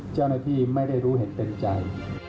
เจ้าหน้าที่ไม่ได้รู้เห็นเป็นใจ